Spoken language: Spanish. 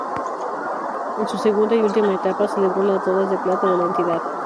En su segunda y última etapa, celebró las Bodas de Plata de la entidad.